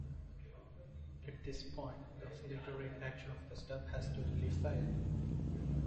At this point the filtering action of the stub has totally failed.